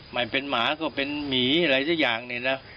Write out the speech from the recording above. หมายมีเป็นหมาก็เป็นหมีอะไรจะอย่างนี้น่ะ